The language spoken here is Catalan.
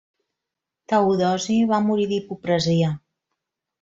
Teodosi va morir d'hidropesia.